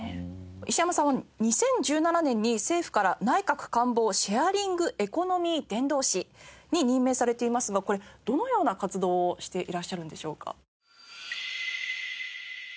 石山さんは２０１７年に政府から内閣官房シェアリングエコノミー伝道師に任命されていますがこれどのような活動をしていらっしゃるんでしょうか？